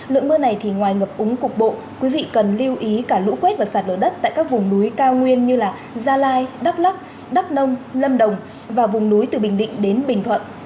lượng mưa này thì ngoài ngập úng cục bộ quý vị cần lưu ý cả lũ quét và sạt lở đất tại các vùng núi cao nguyên như gia lai đắk lắc đắk nông lâm đồng và vùng núi từ bình định đến bình thuận